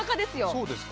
そうですか。